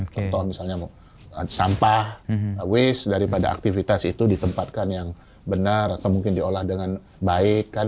contoh misalnya sampah waze daripada aktivitas itu ditempatkan yang benar atau mungkin diolah dengan baik